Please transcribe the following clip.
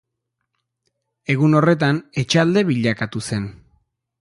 Egun horretan etxalde bilakatu zen.